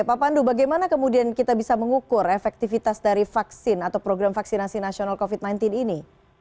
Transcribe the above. pak pandu bagaimana kemudian kita bisa mengukur efektivitas dari vaksin atau program vaksinasi nasional covid sembilan belas ini